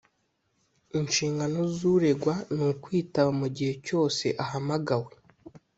inshingano z’ uregwa ni ukwitaba mugihe cyose ahamagawe